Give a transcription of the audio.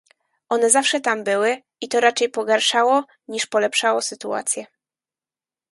One zawsze tam były i to raczej pogarszało niż polepszało sytuację